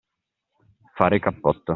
Fare cappotto.